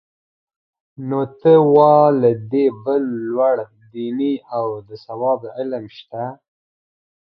نو ته وا له دې بل لوړ دیني او د ثواب علم شته؟